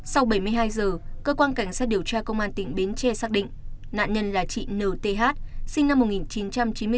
sau bảy mươi hai giờ cơ quan cảnh sát điều tra công an tỉnh bến tre xác định nạn nhân là chị n t h sinh năm một nghìn chín trăm chín mươi sáu